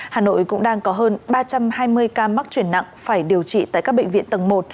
hà nội cũng đang có hơn ba trăm hai mươi ca mắc chuyển nặng phải điều trị tại các bệnh viện tầng một